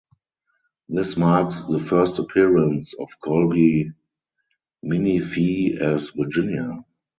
This marks the first appearance of Colby Minifie as Virginia.